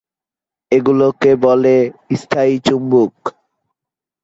এগুলোকে বলে স্থায়ী চুম্বক।